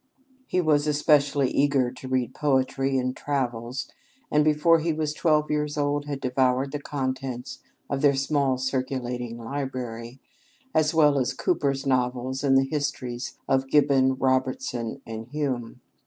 He was especially eager to read poetry and travels, and, before he was twelve years old, had devoured the contents of their small circulating library, as well as Cooper's novels, and the histories of Gibbon, Robertson, and Hume.